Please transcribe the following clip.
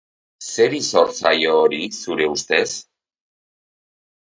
Zeri zor zaio hori, zure ustez?